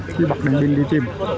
chứ bật lên bên đi tìm